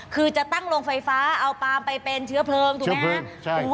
คือจะตั้งโรงไฟฟ้าเอาปาล์มไปเป็นเชื้อเพลิงถูกไหมฮะ